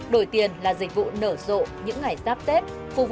đổi tiền là dịch vụ nở rộ những ngày giáp tết